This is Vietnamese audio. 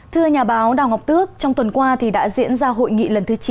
thưa nhà báo đào ngọc tước trong tuần qua thì đã diễn ra hội nghị lần thứ chín